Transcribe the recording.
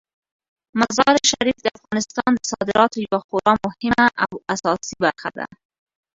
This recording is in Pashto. مزارشریف د افغانستان د صادراتو یوه خورا مهمه او اساسي برخه ده.